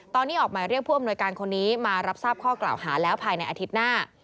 ตอนนี้ออกหมายเรียกผู้อำนวยการคนนี้มารับทราบข้อกล่าวหาแล้วภายในอาทิตย์หน้า